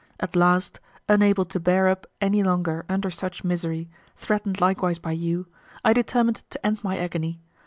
At last, unable to bear up any longer under such misery, threatened likewise by you, I determined to end my agony.